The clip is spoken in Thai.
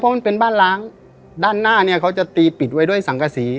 เพราะมันเป็นบ้านล้างด้านหน้าเนี่ยเขาจะตีปิดไว้ด้วยสังกษี